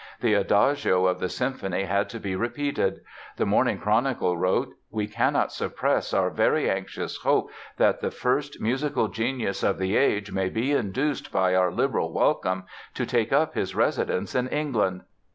The Adagio of the symphony had to be repeated. The Morning Chronicle wrote: "We cannot suppress our very anxious hope that the first musical genius of the age may be induced by our liberal welcome to take up his residence in England."